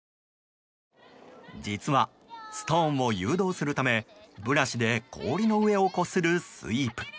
実は、ストーンを誘導するためブラシで氷の上をこするスイープ。